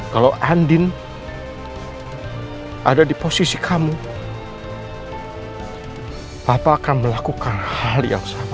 kalau andin ada di posisi kamu apa akan melakukan hal yang sama